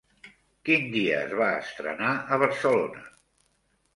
Quin dia es va estrenar a Barcelona?